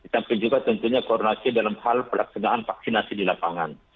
tapi juga tentunya koordinasi dalam hal pelaksanaan vaksinasi di lapangan